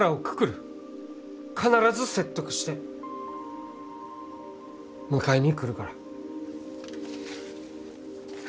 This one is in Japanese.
必ず説得して迎えに来るから。